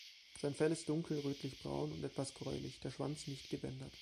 Sein Fell ist dunkel rötlich braun und etwas gräulich, der Schwanz nicht gebändert.